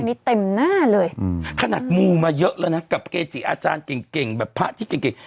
นี่เต็มหน้าเลยอืมขนาดมูมาเยอะแล้วนะกับเกจิอาจารย์เก่งเก่งแบบพระที่เก่งเก่ง